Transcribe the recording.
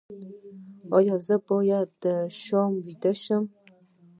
ایا زه باید په شا ویده شم؟